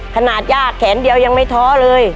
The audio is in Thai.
ขณะจะแขนเดียวยังไม่ท้อเลย